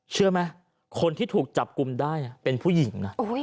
เชื่อไหมคนที่ถูกจับกลุ่มได้เป็นผู้หญิงนะ